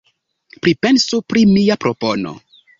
Pripensu pri mia propono.